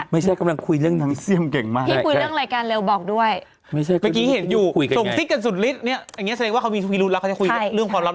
มีข่าวล่าที่เขาแบบอยากจะเออ